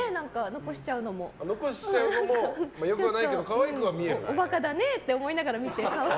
残しちゃうのも良くはないけどおバカだねって思いながら見て。